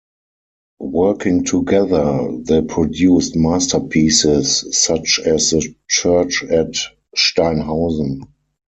Working together they produced masterpieces such as the church at Steinhausen.